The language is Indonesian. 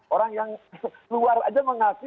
orang yang luar aja mengaku